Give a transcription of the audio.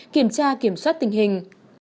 kiểm tra kiểm soát tình hình